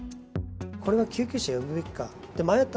これは救急車呼ぶべきか迷っ